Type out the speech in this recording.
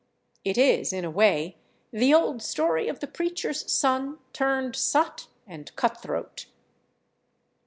It is, in a way, the old story of the preacher's son turned sot and cutthroat.